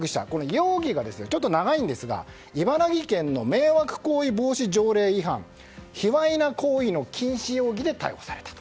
容疑が長いんですが茨城県の迷惑行為防止条例違反卑わいな行為の禁止容疑で逮捕されたと。